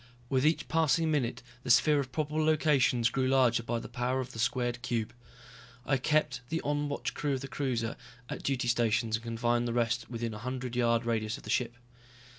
With each passing minute the sphere of probable locations grew larger by the power of the squared cube. I kept the on watch crew of the cruiser at duty stations and confined the rest within a one hundred yard radius of the ship.